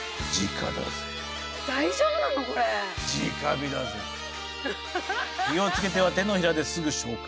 火をつけては手のひらですぐ消火。